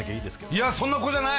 いやそんな子じゃない！